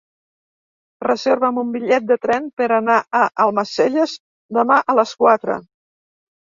Reserva'm un bitllet de tren per anar a Almacelles demà a les quatre.